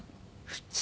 普通。